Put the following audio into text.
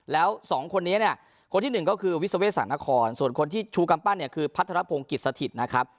แล้วสองคนนี้เนี่ยคนที่หนึ่งก็คือวิศเวสานครส่วนคนที่ชูกำปั้นเนี่ยคือพัทรพงศ์กิจสถิตนะครับ